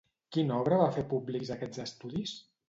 Quina obra va fer públics aquests estudis?